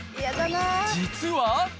実は。